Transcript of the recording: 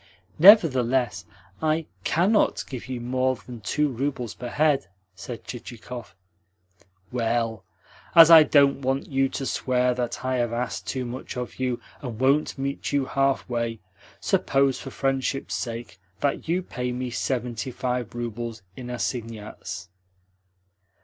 "Nevertheless, I CANNOT give you more than two roubles per head," said Chichikov. "Well, as I don't want you to swear that I have asked too much of you and won't meet you halfway, suppose, for friendship's sake, that you pay me seventy five roubles in assignats?"